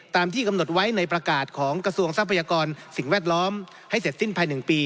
ที่กำหนดไว้ในประกาศของกระทรวงทรัพยากรสิ่งแวดล้อมให้เสร็จสิ้นภายใน๑ปี